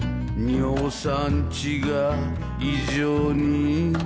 「尿酸値が異常に高い」